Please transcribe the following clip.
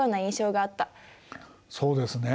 そうですね。